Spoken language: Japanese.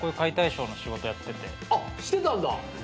あっしてたんだ？